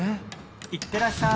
いってらっしゃい！